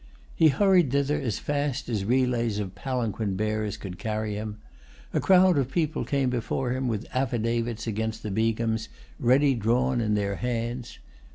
He hurried thither as fast as relays of palanquin bearers could carry him. A crowd of people came before him with affidavits against the Begums, ready drawn in their hands.